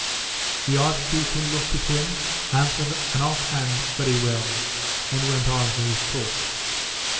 The archdeacon looked at him, answered an off hand 'Very well,' and went on with his talk.